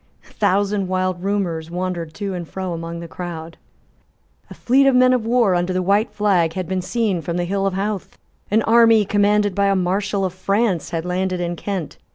A thousand wild rumours wandered to and fro among the crowd. A fleet of men of war under the white flag had been seen from the hill of Howth. An army commanded by a Marshal of France had landed in Kent.